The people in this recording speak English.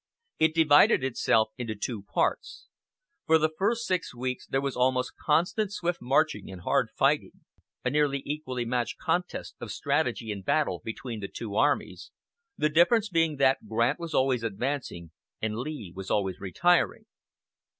It divided itself into two parts. For the first six weeks there was almost constant swift marching and hard fighting, a nearly equally matched contest of strategy and battle between the two armies, the difference being that Grant was always advancing, and Lee always retiring.